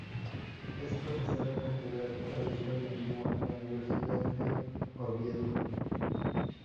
Es profesora catedrática de Historia Antigua en la Universidad de Oviedo.